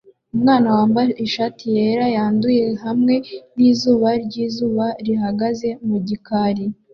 Umwana wambaye ishati yera yanduye hamwe nizuba ryizuba rihagaze mu gikari